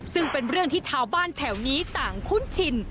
ซึ่งเป็นเรื่องที่ชาวบ้านแถวนี้ต่างคุ้นชิน